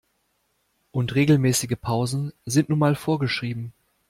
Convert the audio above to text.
Und regelmäßige Pausen sind nun mal vorgeschrieben.